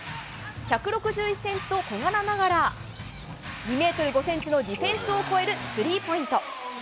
１６１センチと小柄ながら、２メートル５センチのディフェンスを越えるスリーポイント。